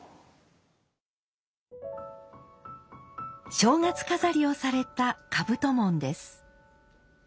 正月飾りをされた兜門です。